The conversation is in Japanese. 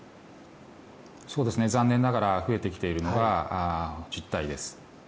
残念ながら増えてきているのが実態です。